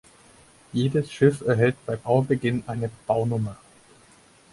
Jedes Schiff erhält bei Baubeginn eine "Bau-Nr.